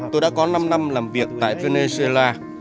tôi đã có năm năm làm việc tại venezuela